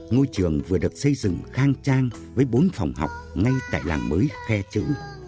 ngôi trường vừa được xây dựng khang trang với bốn phòng học ngay tại làng mới khe chữ